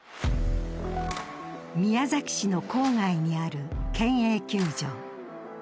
宮崎市の郊外にある県営球場。